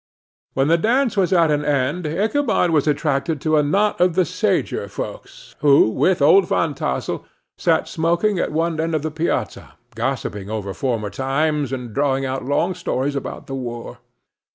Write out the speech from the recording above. When the dance was at an end, Ichabod was attracted to a knot of the sager folks, who, with Old Van Tassel, sat smoking at one end of the piazza, gossiping over former times, and drawing out long stories about the war.